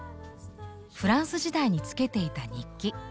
フランス時代につけていた日記。